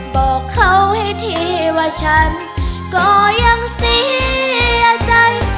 บอกเขาให้ทีว่าฉันก็ยังเสียใจ